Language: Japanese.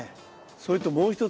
それともう一つ。